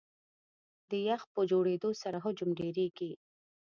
د یخ په جوړېدو سره حجم ډېرېږي.